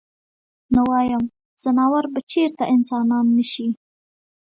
نو وايم ځناور به چرته انسانان نشي -